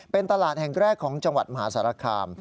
เป็นตลาดแห่งแรกของจังหวัดมหาสารคาม